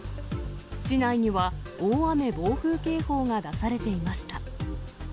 市内には大雨・暴風警報が出されていました。